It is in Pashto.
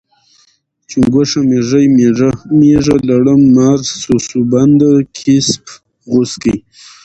چونګښه، میږی، میږه، لړم، مار، سرسوبنده، کیسپ، غوسکی